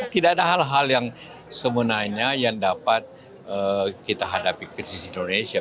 tidak ada hal hal yang sebenarnya yang dapat kita hadapi krisis indonesia